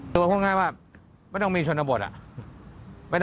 ส่วนข้าง่ายว่าไม่ต้องมีชนบทอ่ะ